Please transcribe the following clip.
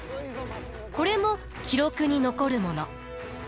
これも記録に残るもの。